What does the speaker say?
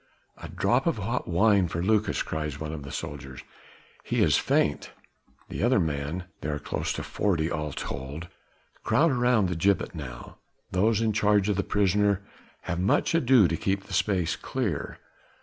"A drop of hot wine for Lucas," cries one of the soldiers. "He is faint." The other men there are close on forty all told crowd round the gibbet now, those in charge of the prisoner have much ado to keep the space clear.